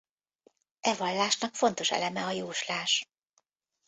E vallásnak fontos eleme a jóslás.